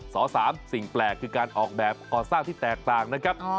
ส๓สิ่งแปลกคือการออกแบบก่อสร้างที่แตกต่างนะครับ